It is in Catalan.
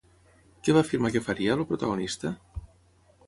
Què va afirmar que faria, el protagonista?